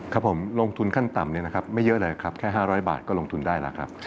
ครับผมลงทุนขั้นต่ำเนี่ยนะครับไม่เยอะเลยครับแค่๕๐๐บาทก็ลงทุนได้แล้วครับ